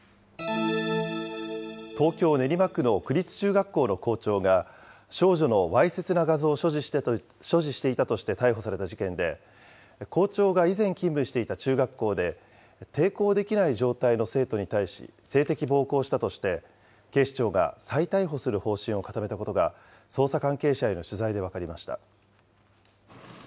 東京・練馬区の区立中学校の校長が、少女のわいせつな画像を所持していたとして逮捕された事件で、校長が以前勤務していた中学校で、抵抗できない状態の生徒に対し、性的暴行したとして、警視庁が再逮捕する方針を固めたことが、捜査関係者への取材で分かりました。